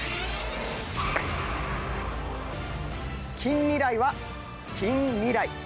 近未来は金未来！